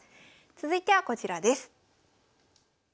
続いてはこちらです。